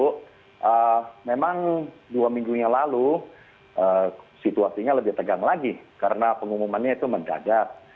karena memang dua minggunya lalu situasinya lebih tegang lagi karena pengumumannya itu mendadak